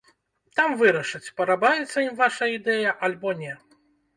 Там вырашаць, падабаецца ім ваша ідэя, альбо не.